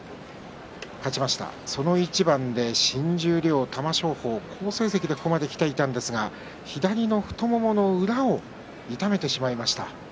新十両の玉正鳳、好成績でここまできていたんですが左の太ももの裏を痛めてしまいました。